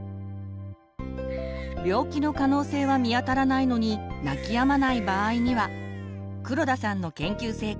病気の可能性は見当たらないのに泣きやまない場合には黒田さんの研究成果。